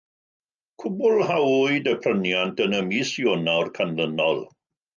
Cwblhawyd y pryniant yn y mis Ionawr canlynol.